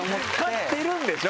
買ってるんでしょ？